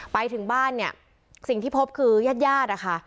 ไปถึงบ้านเนี่ยสิ่งที่พบคือยาดอะค่ะ